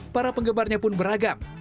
para penggemarnya pun beragam